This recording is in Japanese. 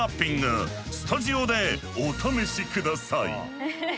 スタジオでお試し下さい！